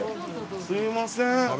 すいません。